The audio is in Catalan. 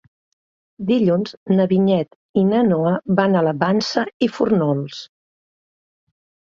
Dilluns na Vinyet i na Noa van a la Vansa i Fórnols.